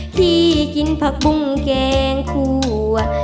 กินผักบุ้งแกงคั่ว